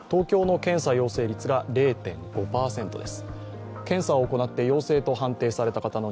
検査陽性率が０．５％です。